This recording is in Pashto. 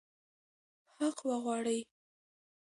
حق وغواړئ.